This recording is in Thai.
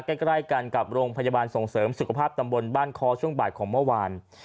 ใกล้กันกับโรงพยาบาลส่งเสริมสุขภาพตำบลบ้านคอช่วงบ่ายของเมื่อวาน